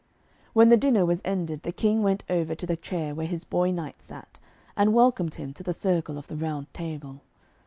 When dinner was ended, the King went over to the chair where his boy knight sat, and welcomed him to the circle of the Round Table.